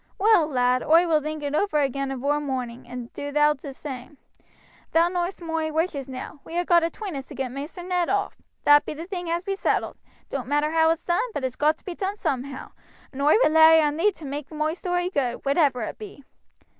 Well, lad, oi will think it over agin avore moorning, and do thou do t' same. Thou know'st moi wishes now. We ha' got atween us to get Maister Ned off that be the thing as be settled. It doan't matter how it's done, but it's got to be done soomhow; and oi rely on thee to maake moi story good, whatever it be.